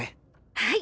はい！